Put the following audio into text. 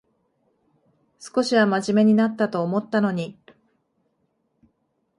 少しはまじめになったと思ったのに